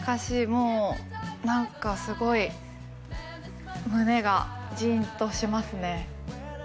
もう何かすごい胸がジーンとしますね